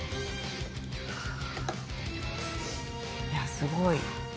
「いやすごい」